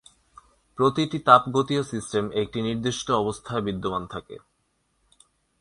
প্রতিটি তাপগতীয় সিস্টেম একটি নির্দিষ্ট অবস্থায় বিদ্যমান থাকে।